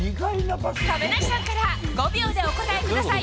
亀梨さんから、５秒でお答えください。